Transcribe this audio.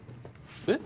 え？